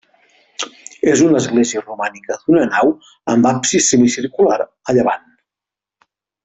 És una església romànica d'una nau amb absis semicircular a llevant.